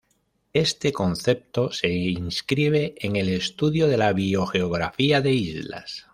Este concepto se inscribe en el estudio de la biogeografía de islas.